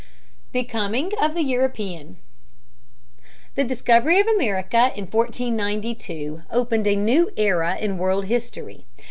THE COMING OF THE EUROPEAN. The discovery of America in 1492 opened a new era in world history.